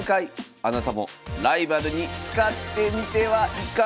あなたもライバルに使ってみてはいかが？